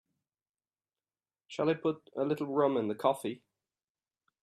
Shall I put a little rum in the coffee?